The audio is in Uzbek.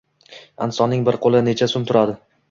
Insonning bir qoʻli necha soʻm turadi?